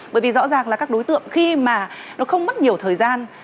bởi vì rõ ràng là các đối tượng khi mà nó không mất nhiều thời gian